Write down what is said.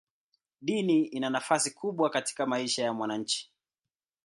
Dini ina nafasi kubwa katika maisha ya wananchi.